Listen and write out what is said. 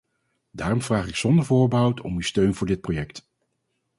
Daarom vraag ik zonder voorbehoud om uw steun voor dit project.